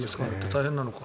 大変なのか。